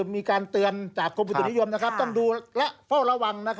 มีการเตือนจากกรมบุตุนิยมต้องดูและเฝ้าระวัง